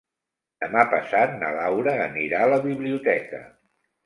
Demà passat na Laura anirà a la biblioteca.